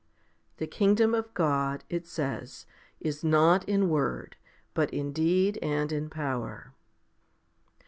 The kingdom of God, it says, is not in word, but in deed and in power.